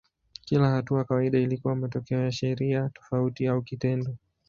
Kila hatua kawaida ilikuwa matokeo ya sheria tofauti au kitendo.